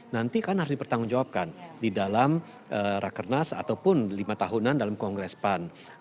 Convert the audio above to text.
nanti kan harus dipertanggungjawabkan di dalam rakernas ataupun lima tahunan dalam kongres pan